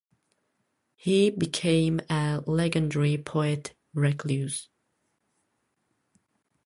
He became a legendary poet-recluse.